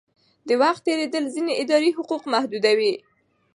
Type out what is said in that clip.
د وخت تېرېدل ځینې اداري حقوق محدودوي.